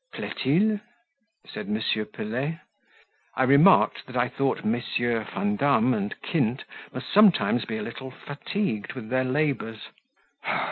"Plait il?" dit M. Pelet. I remarked that I thought Messieurs Vandam and Kint must sometimes be a little fatigued with their labours.